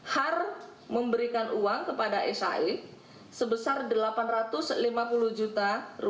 har memberikan uang kepada sae sebesar rp delapan ratus lima puluh juta